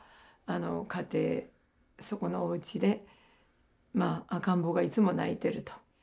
家庭そこのおうちで赤ん坊がいつも泣いていると。